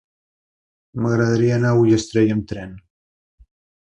M'agradaria anar a Ullastrell amb tren.